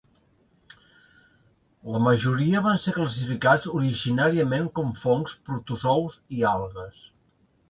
La majoria van ser classificats originàriament com fongs, protozous i algues.